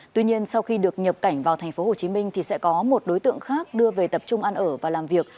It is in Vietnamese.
tuy nhiên sau khi được nhập cảnh vào tp hcm thì sẽ có một đối tượng khác đưa về tập trung ăn ở và làm việc